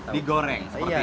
digoreng seperti ini